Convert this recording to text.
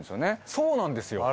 そうなんですよ。